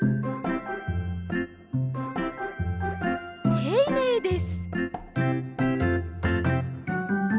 ていねいです。